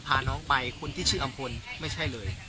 พาน้องไปคนที่ชื่ออำพลไม่ใช่เลย